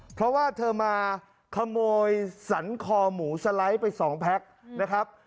เพราะว่าเธอมาขโมยสันคอหมูสไลด์ไป๒แพ็คนะครับ